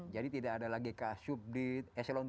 jadi tidak ada lagi kasus di echelon tiga empat lima